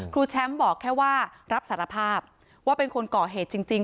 ครูแชมป์บอกแค่ว่ารับสารภาพว่าเป็นคนก่อเหตุจริง